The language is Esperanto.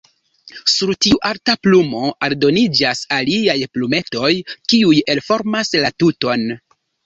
Sur tiu alta plumo aldoniĝas aliaj plumetoj, kiuj elformas la tuton.